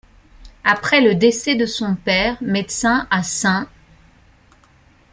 Après le décès de son père, médecin à St.